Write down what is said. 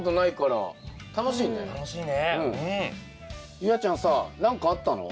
夕空ちゃんさ何かあったの？